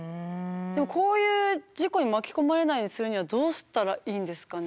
でもこういう事故に巻き込まれないようにするにはどうしたらいいんですかね？